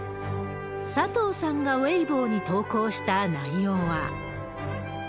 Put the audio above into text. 佐藤さんがウェイボーに投稿した内容は。